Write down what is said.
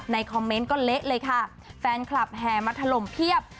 คอมเมนต์ก็เละเลยค่ะแฟนคลับแห่มาถล่มเพียบ